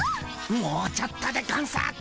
もうちょっとでゴンス。